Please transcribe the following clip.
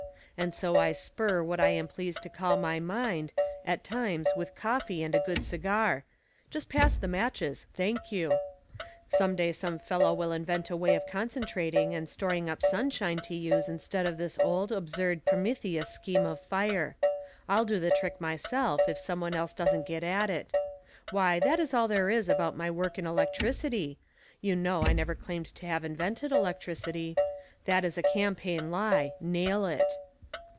And so I spur what I am pleased to call my mind, at times with coffee and a good cigar just pass the matches, thank you! Some day some fellow will invent a way of concentrating and storing up sunshine to use instead of this old, absurd Prometheus scheme of fire. I'll do the trick myself if some one else doesn't get at it. Why, that is all there is about my work in electricity you know, I never claimed to have invented electricity that is a campaign lie nail it!"